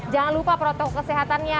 jangan lupa protokol kesehatannya